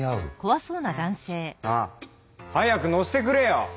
なあ早く乗せてくれよ！